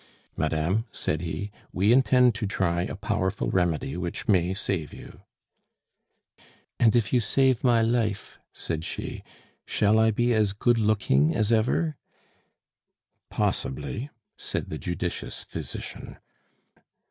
"Madame," said he, "we intend to try a powerful remedy which may save you " "And if you save my life," said she, "shall I be as good looking as ever?" "Possibly," said the judicious physician.